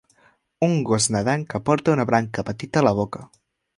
Un gos nedant que porta una branca petita a la boca.